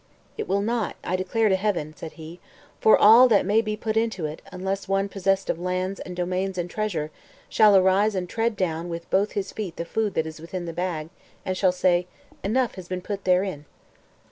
"It will not, I declare to Heaven," said he, "for all that may be put into it, unless one possessed of lands, and domains, and treasure, shall arise and tread down with both his feet the food that is within the bag, and shall say, 'Enough has been put therein.'"